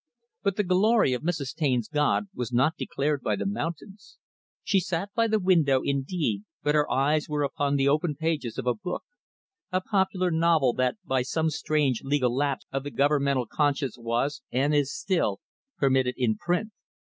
But the glory of Mrs. Taine's God was not declared by the mountains. She sat by the window, indeed, but her eyes were upon the open pages of a book a popular novel that by some strange legal lapse of the governmental conscience was and is still permitted in print.